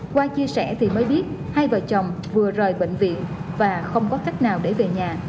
qua chia sẻ thì mới biết hai vợ chồng vừa rời bệnh viện và không có cách nào để về nhà